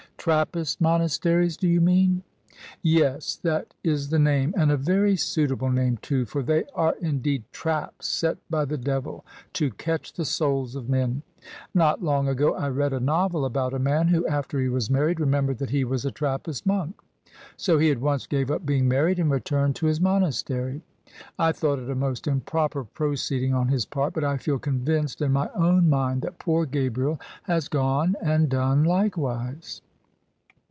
"Trappist monasteries, do you mean?" " Yes, that is the name, and a very suitable name, too, for they are indeed traps set by the devil to catch the souls of men! Not long ago I read a novel about a man who, after he was married, remembered that he was a Trappist monk ; so he at once gave up being married and returned to his monastery. I thought it a most improper proceeding on his part: but I feel convinced in my ov»m mind that poor Gabriel has gone and done likewise."